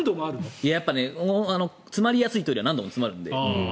やっぱね、詰まりやすいトイレは何度も詰まるので。